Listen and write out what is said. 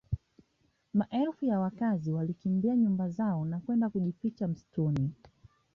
Maelfu ya wakazi walikimbia nyumba zao na kwenda kujificha msituni